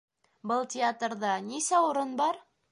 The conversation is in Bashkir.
Был театрҙа нисә. урын бар?